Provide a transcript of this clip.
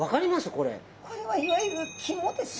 これはいわゆる肝ですね。